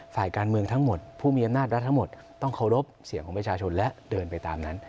ฝ่ายการเมืองทั้งหมดผู้มีอำนาจรัฐทั้งหมดต้องเคารพเสียงของประชาชนและเดินไปตามนั้น